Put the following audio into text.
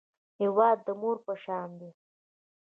هېواد د مور په شان دی